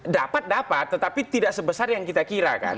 dapat dapat tetapi tidak sebesar yang kita kira kan